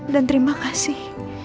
dan terima kasih